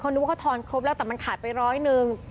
นึกว่าเขาทอนครบแล้วแต่มันขาดไปร้อยหนึ่ง